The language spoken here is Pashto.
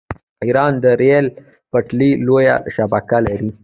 ایران د ریل پټلۍ لویه شبکه لري.